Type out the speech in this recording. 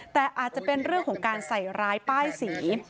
แต่อาจจะเป็นเรื่องของการใส่ร้ายป้ายสี